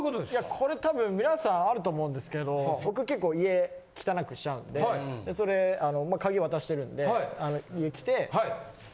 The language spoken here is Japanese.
これたぶん皆さんあると思うんですけれど僕結構家汚くしちゃうんでそれ鍵渡してるんで。